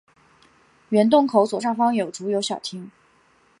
原洞口左上方有竹有小亭。